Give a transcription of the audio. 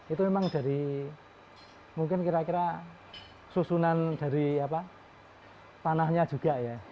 itu memang dari mungkin kira kira susunan dari tanahnya juga ya